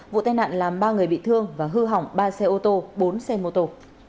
vụ tai nạn làm ba người bị thương và hư hỏng ba xe ô tô bốn xe mô tô